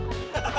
pulang dulu ya